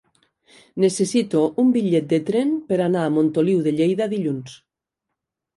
Necessito un bitllet de tren per anar a Montoliu de Lleida dilluns.